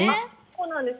そうなんです。